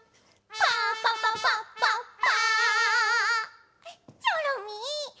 パパパパッパッパ。